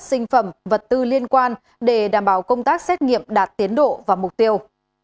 sinh phẩm vật tư liên quan để đảm bảo công tác xét nghiệm đạt tiến độ và mục tiêu